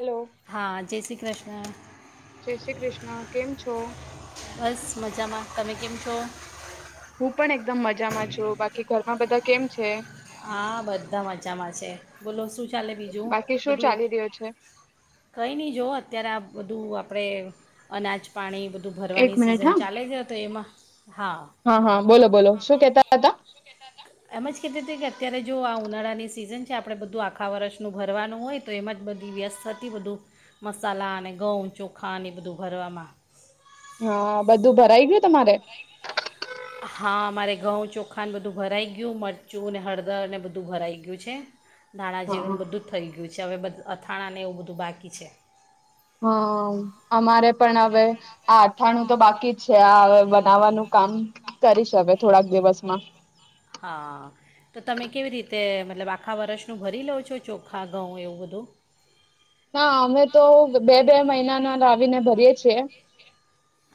Hello હા જય શ્રી કૃષ્ણ. જય શ્રી કૃષ્ણ કેમ છો. બસ મજામાં તમે કેમ છો. હું પણ એકદમ મજામાં જોઉ બાકી ઘરમાં બધા કેમ છે? હા બધા મજામાં છે બોલો શું ચાલે બીજું બાકી શું બધું ચાલી રહ્યો છે કંઈ નહી જો અત્યારે આપ વધુ આપ ણે અનાજ પાણી બધું એક ભરવાની મિનિટ સિઝન હા ચાલે છે તો એમાં. હા હા બોલો બોલો શું કેતા હતા? એમ જ કહેતી હતી કે અત્યારે જો આ ઉનાળાની સિઝન છે આપણે બધું આખા વર્ષનું ભરવાનું હોય તો એમાં જ બધી વ્યસ્તતી બધું મસાલા અને ઘઉં, ચોખા એ બધું ભરવામાં. હા બધું ભરાઈ ગયું તમારે? હા મારે ઘઉં, ચોખા બધું ભરાઈ ગયું મરચું, હળદરને બધું ભરાઈ ગયું છે. ધાણા, હા જીરું બધું થઈ ગયું છે. પ હવે બધું અથાણા ને એવું બધું બાકી છે. હમ્મ અમારે પણ હવે આ અથાણું તો બાકી. બાકી છે આ હ બનાવવાનું કામ કરીશ હવે થોડાક દિવસમાં. તે મતલબ આખા વર્ષનું ભરી લઉં છો ચોખા, ઘઉં એવું બધું. ના અમે તો બે બે મહિના ના લાવીને ભરીએ છે.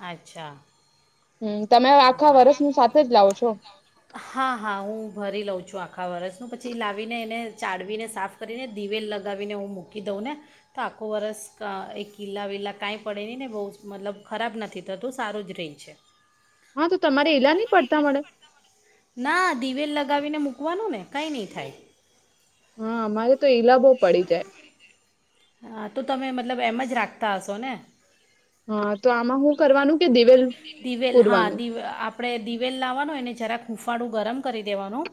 અચ્છા. હમ્મ તમે હા આખા હા વરસનું સાથે જ લાવો છો? હા હા હું ભરી લઉં છું આખા વરસનું પછી લાવીને એને ચાડવીને સાફ કરીને દિવેલ લગાવીને હું મૂકી દઉં ને તો આખું વરસ ક એ કિલ્લા વીલા કાંઈ પડે નહીં ને બહુ મતલબ ખરાબ નથી થતું સારું જ રહી છે. હા તો તમારે એઈલા નહ પડતા મળે. ના દિવેલ લગાવીને મૂકવાનું ને. કંઈ નહીં થાય. હા અમારે તો ઈલાબો પડી જાય. હા તો તમે મતલબ એમ જ રાખતા હશો ને. હા તો આમાં હું કરવાનું. કે દિવેલ દિવેલ હા પૂરવાનું દવે આપણેે દિવેલ લાવવાનું એને જરાક. હૂંફાળું ગરમ કરી દેવાનું.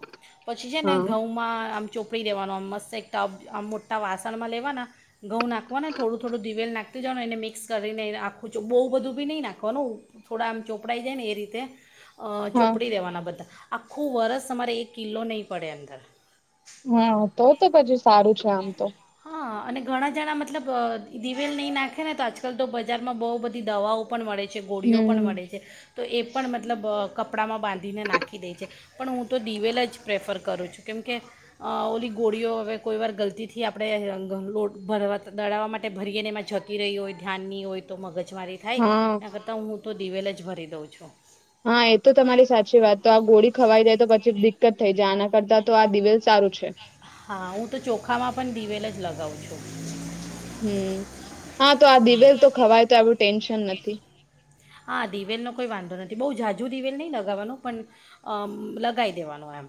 પછી છે ને હા ઘઉંમાં આમ ચોપડી દેવાનો આમ મસ્ત એક ટપ આમ મોટા વાસણમાં લેવાના ઘઉં નાખવાનાને થોડું થોડું દિવેલ નાખતી જવાનું એને મિક્સ કરીનેખું છું બહુ બધું બી નહીં નાખવાનું થોડા આમ ચોપડાઈ જાય ને એ રીતે અ હા ચોપડી દેવાના બધા. આખું વરસ અમારે એક કિલ્લો નહીં પડે અંદર. હા તો તો [inaudible] સારું છે આમ તો. હા અને ઘણા જણા મતલબ દિવેલ નહી નાખે ને તો આજકાલ તો બજારમાં બહુ બધી દવાઓ પણ મળે છે ગોળીઓ હમ પણ મળે છે તો એ પણ મતલબ કપડામાં બાંધીને નાખી દે છે. પણ હું તો દિવેલા જ પ્રેફર કરું છું કેમ કે ઓલી ગોળીઓ હવે કોઈવાર ગલતીથી આપણે લોટ ભરવા દડાવવા માટે ભરીએને એમાં જતી રહી હોય ધ્યાનની હોય તો મગજ મારી થાય હા એના કરતાં હુ તો દિવેલ જ ભરી દઉં છું. હા એ તો તમારી સાચી વાત તો આ ગોળી ખવાઈ દે તો પછી ડી કટ થઈ જાય આના કરતા તો આ દિવેલ સારું છે. હા હું તો ચોખામાં પણ દિવેલ જ લગાવું છું. હમ. હા તો આ દિવેલ તો ખવાય તો આવું ટેન્શન નથી. હા દિવેલનો કોઈ વાંધો નથી બહુ જાઝજુ દિવેલ નહીં લગાવવાનું પણ લગાવી દેવાનો એમ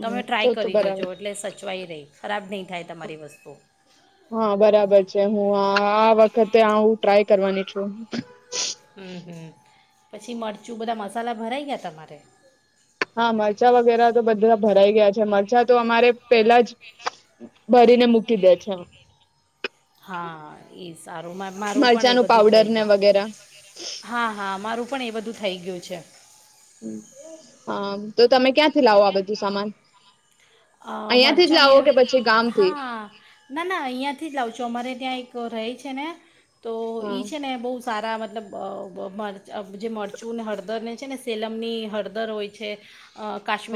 તમે તો ટ્રાય તો કરી જોજો બરાબર એટલે સચવાઈ રહી ખરાબ નહીં થાય તમારી વસ્તુ. હા બરાબર છે હું આ આ વખતે આ હુ ટ્રાય કરવાની છું. હમ હમ પછી મરચું બધા મસાલા ભરાઈ ગયા તમારે? હા મરચાં વગેરે તો બધા ભરાઈ ગયા છે મરચા તો અમારે પેલા જ ભરીને મૂકી દે છે. હા ઇસ સારું મારું પણ એ મરચાંનું બધું પાવડર થઈ ને ગયું વગેરે હા હા મારું પણ એ બધું થઈ ગયું છે. હા તો તમે ક્યાંથી લાવો આ બધું સામાન? અ અહિયાંથી જ મરચાંને લાવો કે પછી ગામથી હા ના ના અહીંયાથી જ લાવ છું અમારે ત્યાં એક તો રાઈ છે ને તો હા ઈ છે ને બહુ સારા મતલબ મ જે મરચુંને હળદરને છે ને સેલમની હળદર હોય છે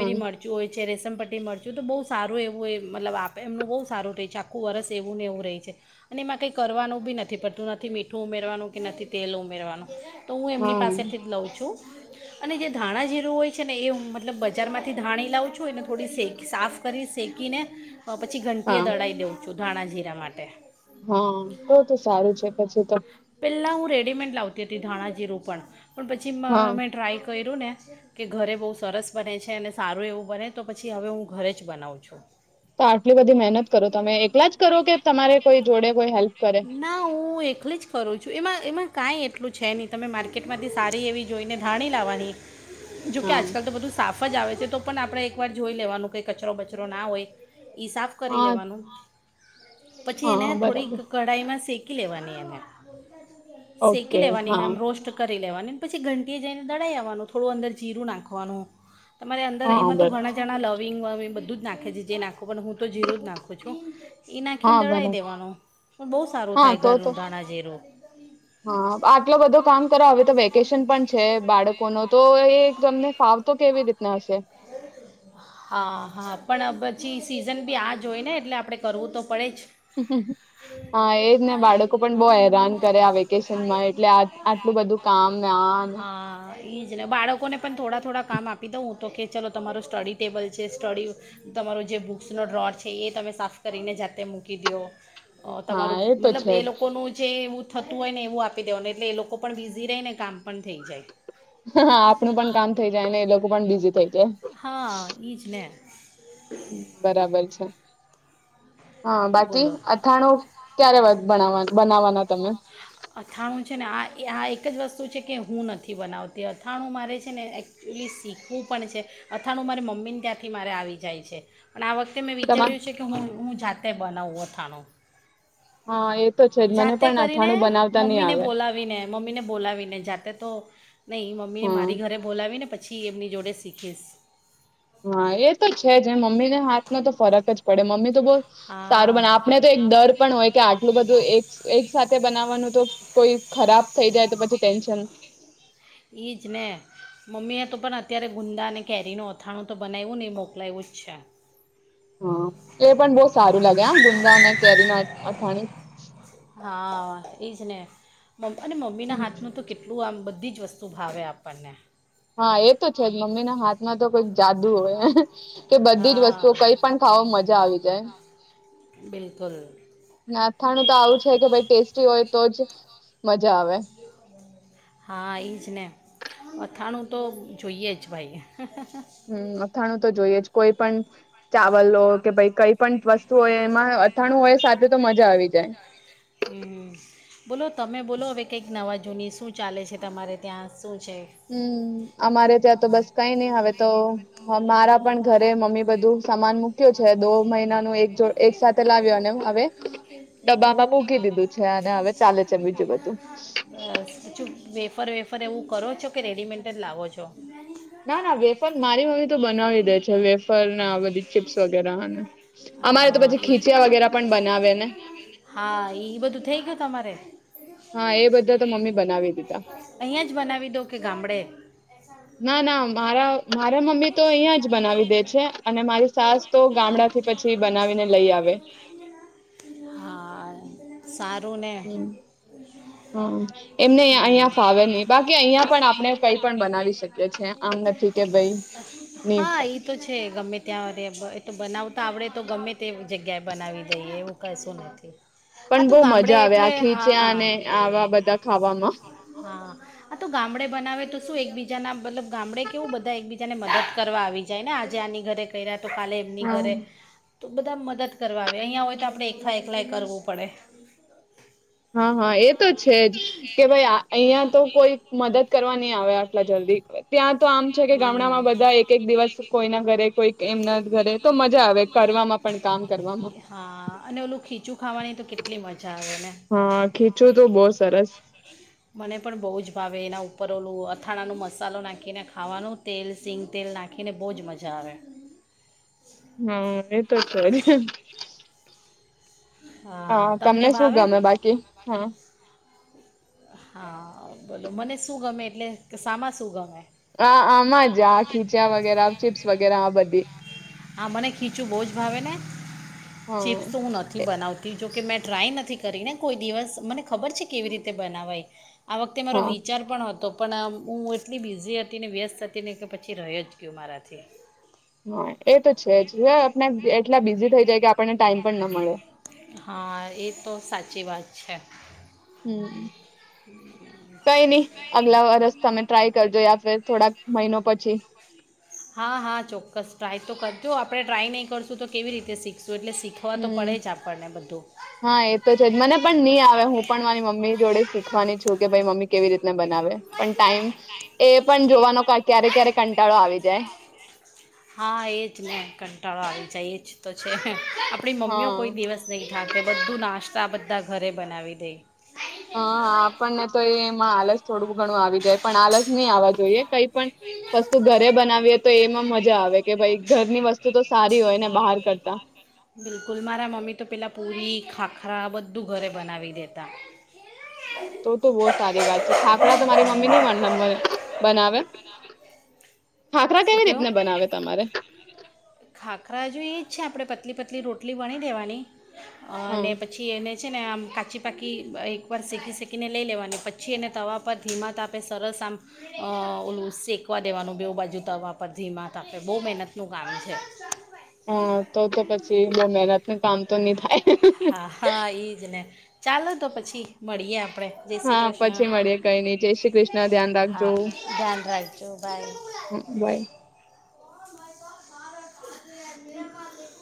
હા મરચું હોય છે રેસમ પટી મળ ચુ જો તો બહુ સારું એવું એ મતલબ આપ એમનું બહુ સારું રહે છે આખું વરસ એવું ને એવું રહે છે અને એમાં કંઈ કરવાનું બી નથી પડતું નથી મીઠું ઉમેરવાનું કે નથી તેલ ઉમેરવાનું તો હું એમની પાસેથી હા જ લઉં છું. અને જે ધાણા જીરું હોય છે ને એ હું મતલબ બજાર માંથી ધાણી લાવં છું ને થોડી સેક સાફ કરી શેકીને હ પછી હા ઘંટીએ દળાવી દો સુઢાણા જીરા માટે હા તો તો સારું છે પછી તો. પહેલાં હું રેડીમેડ લાવતી હતી ધાણા જીરું પણ. પણ પછી હા મેં ટ્રાય ક કર્યું ને કે ઘરે બહુ સરસ બને છે અને સારું એવું બને તો પછી હવે હું. ઘરે જ બનાવું છું તો આટલી બધી મહેનત કરો તમે એલા જ કરો કે તમારે કોઈ જોડે કોઈ હેલ્પ કરે ના કાઈ એટલું છે નહી તમે માર્કેટમાંથી સારી એવી જોઈને ધાણી લાવવાની જોકે હા અજ કલ તો બધું સાફ [unintelligible] જ આવે છે તો પણ આપડણે એક વાર જોઈ લેવાનું [unintelligible] કોઈ કચરો બચરો ના હોય. ઈ સાફ કરી હા લેવાનું પછી હા એને થોડીક બરાબર કઢાઈમાં શેકી મકી લેવાની એને શેકી ઓકે લેવાની હા એમ રોસ્ટ કરી લેવાની. પછી ઘંટી જઈને દડાઈ આવવાનું થોડું અંદર જીરું નાખવાનું. તમારે અંદર હા એમાં તો બરાબર ઘણા જણા લાવ બધું જ નાખે છે જે નાખ હું તો જી જ નાખું છ એ હા નાખીને દળાવી બરાબર દેવાનું પણ બહુ સારું હા થાય તો તો ઘરનું દાણાઝરું હા આટલો બધો કામ કરો હવે તો વેકેશન પણ છે બાળકો ન તો એ [inaudible] તમને સાવ તો કેવી રીતના હશે [unintelligible] હા હા પણ પછી સીઝન બી આ જ હોય ને એટલે આપણે કરવું તો પડે જ હા એજ ને બાળકો પણ બહ હેરાન કરે આ વેકેશનમાં એટલે આટલું બધું કામ ના ઈજ ને બાળકોને પણ થોડા થોડા કામ આપી દઉું [inaudible] તો કે ચલો તમારું સ્ટડી ટેબલ છે સ્ટડી તમારો જે બુક્સનો ડોર છે એ તમે સાફ કરીને જાતે મૂકી દો. અ હા તમારું તો મતલબ છે એ જ લોકોનું જે એવું થતું હોય ને એવું આપી દેવાનું એટલે એ લોકો પણ બીઝી રહી ને કામ પણ થઈ જાય. હા આપણું પણ કામ થઈ જાય ને એ લોકો પણ બીઝ હા છેને બરાબર છે હા બાકી બોલો અથાણું ક્યારે બના બનાવાના તમે અથાણું છે ને આ એ- આ એક જ વસ્તુ [unintelligible] કે હું નથી બનાવતી અથાણું મારે છે ને એકચુલી શીખવું પણ છે અથાણું મારી મમ્મીને ત્યાંથી મારે આવી જાય છે. પણ આ વખતે મેં તમા વિચાર્યું છે કે હું હું જાત તે બનાવ ઉવ અથાણો. હા એ. તો છે જ મને જાતે પણ કરીને અથાણું બનાવતા નહી મમ્મીને આવે બોલાવીને મમ્મીને બોલાવીને જાતે તો. નહીં મમ્મીને હા મારી ઘરે બોલાવી ને પ પછી એમની જોડે શીખીશ. હા એ તો છે જ એ મમ્મી ને હાથમાં તો ફરક જ પડે મમ્મી બ સારું હા બને આપણે તો એક ડર પણ હોય કે આટલું બધું એક એક સાથે બનાવવાનું તો કોઈ ખરાબ થઈ જાય તો પછી ટેન્શન. એ જ ને મમ્મીએ તો પણ અત્યારે ગુંદા અને કેરીનું અથાણું તો બનાવવું નહીં મોકલાવવું જ છે. હા એ પણ બહ સારું લાગે આ ગુંદા અને કેરી ના અથાણી હા એ છેને મમ્મ અને મમ્મીના હાથનું તો કેટલું આમધું બધી જ વસ્તુ ભાવે આપણને. હા એ તો છે જ મમ્મી ના હાથમાં તો કોઈક જાદુ હોય. કે બધી જ વસ્તુઓ હા કઈ પણ ખાવા મજા આવી જાય. બિલકુલ. નાથાણું તો આવું છે કે ભાઈ ટેસ્ટી હોય તો જ મજા આવે. હા એ જ ને અથાણું તો જોઈએ જ ભાઈ. હમ અથાણું તો જોઈએ જ કોઈ પણ ચાવલ લો ભાઈ દાવાજો કે પણ કઈ વસ્તુ પણ વસ્તુ એમાં હોય અથાણું સાથે અજાણું હોય સાચું તો આવી જાય મજા આવી જાય. બોલો તમે બોલો હવે કંઈક નવા જૂની શું ચાલે છે તમારે ત્યાં શું છે હમ અમારે ત્યાં તો બસ કઈ નઈ હવે તો મારા પણ ઘરે મમ્મી બધું સમાન મુક છે દો મહિનાનું એક જો એકસા [inaudible] મૂકી દીધું છે અને હવે ચાલે છે બીજું બધું. ફર વેફર એવું કરો છો કે રેડીમેન્ટ જ લાવો છો. ના ના વેફર મારી મમ્મી તો બનાવી દે છે વેફર આ બધી ચીપ્સ વગેરે અમારે તો હા પછી એ ખીચ હા એ બધું થઈ ગયું. તમારે હા એ બધા તો મમ્મી બનાવી દીધા અહીંયા જ બનાવી દો કે ગામડે ના ના મારા મારા મમ્મી તો અહં જ બનાવી દે છે અને મારી સાસ તો ગામડાથી પછી બનાવીને લઈ આવે. હા [inaudible] સારું ને હમ હમ એમને અહિયાં ફાવે નહી બાકી અહિયાં પણ આપણે કઈ પણ બનાવી શકીએ છીએ આમ નથી કે ભાઈ નહી હા તો છે ગમે ત્યાં તો બનાવ તાવડે તો ગમે તે જગ્યાએ બનાવી દઈએ એવું કું નથી પણ આ બહુ તું ગામડે મજા આવે એટલે આ ખીચ્યા હા અને આવા બધા ખાવામાં હ તું ગામડે બનાવે તું. શું એકબીજા ના મતલબ ગામડે કેવું બધા એકબીજા ને મદદ કરવા આવી જાય ને આજે આની ઘરે ક તો કલે એમની હમ ઘરે તો બધા મદદ કરવા આવે અહીંયા હોય તો આપણે એકઠા એકલાય કરવું પડે. હા હા એ તો છે જ કે ભાઈ અહિયાં તો કોઈ મદદ કરવા નય આવે આટલા જલ્દી ત્યાં તો આમ છે કે હમ ગામડામાં બધા એક એક દિવસ કોઈના ઘરે કોઈ એમના ઘરે તો મજા આવે કરવામાં પણ કામ કરવામાં હા અને ઓલું ખીચું ખાવાની તો કેટલી મજા આવે ને હા ખીચું તો બહુ સરસ. મને પણ બહુ જ ભાવે એના ઉપર ઓલું અથાણાનું મસાલો નાખીને ખાવાનું તેલ સીંગ તેલ નાખીને બહુ જ મજા આવે. હમ એતો છે જ. હા તમને શું ગમે બાકી હમ. હા બોલો મને શું ગમે એટલે શામાં શું ગમે? હા આમાં જ આ ખીચા વગેરે ચીપ્સ વગેરે આ બધી. આ મને ખીચું બહુ જ ભાવે ને હા ચીપ્સ તો હું નથી એ- બનાવતી જોકે મેં ટ્રાય નથી કરી ને કોઈ દિવસ મને ખબર છે કેવી રીતે બનાવાય. આ વખતે મારો હા વિચાર પણ હતો. તો પણ હું એટલી બિઝી હતી ને વ્યસ્ત હતી ને કે પછી રહ્યો જ ગયો મારાથી. હ [unintelligible] એ તો છે જ હ આપને એટલા બિઝી થઈ જાય કે આપણને ટાઈમ પણ ન મળે. હા એ તો સાચી વાત છે. હમ. કઈ નહી અગલા વરસ તમે ટ્રાય કરજો યા ફિર થોડાક મહિનો પછી હા હા ચોક્કસ ટ્રાય તો કર. તો આપણે ટ્રાય નહીં કરશું તો કેવી રીતે શીખશું. એટલે શીખવા તો હમ પડે જ આપણને બધું હા એતો છેજ મને પણ નહી આવે હું. પણ મારી મમ્મી જોડે શીખવાની છું કે ભાઈ મમ્મ કેવી રીતે બ પણ ટાઈમ એ પણ જોવા ક્યારે ક્યારે કંટાળો આવી જાય. હા એજ ને કંટાળા આવી જાય એ જ તો છે. આપણી મમ્મીઓ હા કોઈ દિવસ નહી જા કે બધું નાસ્તા બધા ઘરે બનાવી દે. હા આપણને તો એમાં આલસ થોડું ઘણું આવી જાય પણ આલસ નહી આવવા જોઈએ કઈ પણ વસ્તુ ઘરે બનાવીએ તો એમાં મજા આવે કે ભાઈ ઘરની વસ્તુ તો સારી હોય ને બહાર કરતા. બિલકુલ ખરા બધું ઘરે બનાવી દેતા. તો તો બહ સારી વાત છે ખાખરા તો મારી મમ્મી ને મ નંબ બનાવે. ખાખરા શું કેવી કેવ રીતને બનાવે તમારે ખાખરા જો એજ છે આપડે પ આટલી પતલી રોટલી વણી દેવાની અને હા પછી એને પછ ને આમ કાચી પાકી એકવાર શેકી શેકીને લઈ લેવાની પછી એને તવા પર ધીમા તા આપે સરસ આમ ઓલું શેકવા દેવાનું બેઉ બાજુ. દવા પર ધીમાત આપે બહુ મહેનતનું કામ છે. હા તો તો પછી બહ મહેનત નું કામ તો નહી થાય. હા હા એઈજ ને ચાલો તો પછી મળીએે આપડે જય શ્રી હા કૃષ્ણ પછી મળીએ કઈ નઈ જય શ્રી કૃષ્ણ ધ્યાન રાખજો હા હમ, ધ્યાન રાખજો બાય. બાય [unintelligible]